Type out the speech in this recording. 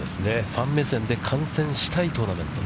ファン目線で観戦したいトーナメント。